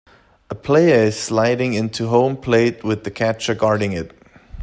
A player is sliding into home plate with the catcher guarding it.